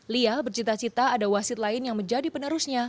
lia bercita cita ada wasit lain yang menjadi penerusnya